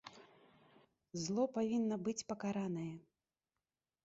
Зло павінна быць пакаранае.